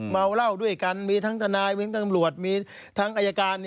เมาเหล้าด้วยกันมีทั้งทนายมีทั้งตำรวจมีทั้งอายการ